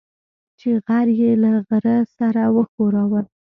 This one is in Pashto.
چې غر يې له غره سره وښوراوه.